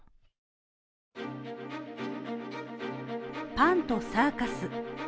パンとサーカス